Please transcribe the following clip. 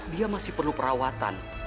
dia masih perlu perawatan